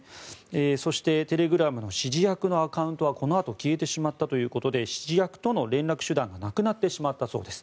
そしてテレグラムの指示役のアカウントはこのあと消えてしまったということで指示役との連絡手段がなくなってしまったそうです。